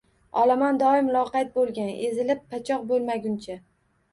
Olomon doim loqayd bo‘lgan, ezilib pachoq bo‘lmaguncha.